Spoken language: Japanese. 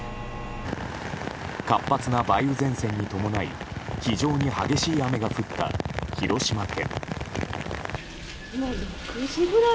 活発な梅雨前線に伴い非常に激しい雨が降った広島県。